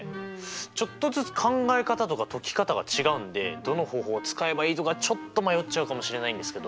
ちょっとずつ考え方とか解き方が違うんでどの方法を使えばいいとかちょっと迷っちゃうかもしれないんですけど。